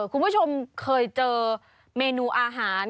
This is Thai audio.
คุณผู้ชมเคยเจอเมนูอาหาร